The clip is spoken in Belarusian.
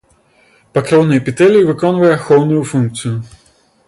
Покрыўны эпітэлій выконвае ахоўную функцыю.